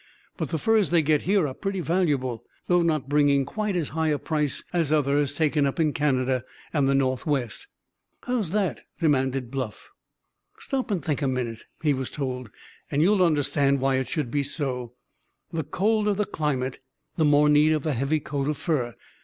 But the furs they get here are pretty valuable, though not bringing quite as high a price as others taken up in Canada and the Northwest." "How's that?" demanded Bluff. "Stop and think a minute," he was told, "and you'll understand why it should be so. The colder the climate the more need of a heavy coat of fur.